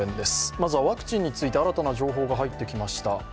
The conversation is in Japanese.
まずはワクチンについて、新たな情報が入ってきました。